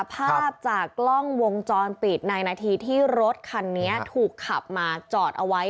ภาพจากกล้องวงจรปิดในนาทีที่รถคันนี้ถูกขับมาจอดเอาไว้